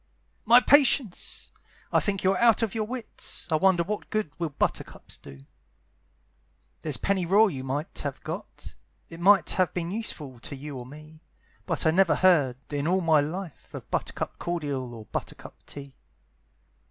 "My patience! I think you are out of your wits; I wonder what good will buttercups do? "There's pennyroyal you might have got, It might have been useful to you or me, But I never heard, in all my life, Of buttercup cordial or buttercup tea.